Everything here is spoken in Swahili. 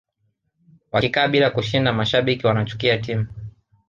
wakikaa bila kushinda mashabiki wanachukia timu